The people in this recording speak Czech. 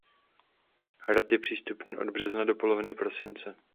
Hrad je přístupný od března do poloviny prosince.